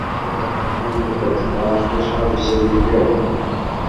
এটাকে যাঁরা প্রশ্নবিদ্ধ করছেন, তাঁরা আসলে সারা বিশ্বের বিরুদ্ধেই অবস্থান নিচ্ছেন।